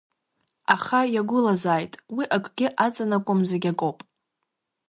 Аха иагәылазааит, уи акгьы аҵанакуам зегьакоуп.